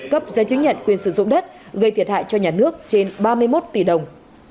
cấp giấy chứng nhận quyền sử dụng đất gây thiệt hại cho nhà nước trên ba mươi một tỷ đồng